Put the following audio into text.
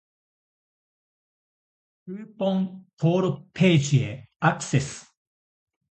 クーポン登録ページへアクセス